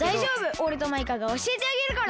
おれとマイカがおしえてあげるから。